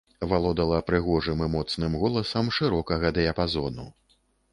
Валодала прыгожым і моцным голасам шырокага дыяпазону.